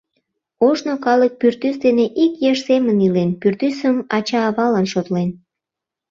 Ожно калык пӱртӱс дене ик еш семын илен, пӱртӱсым ача-авалан шотлен.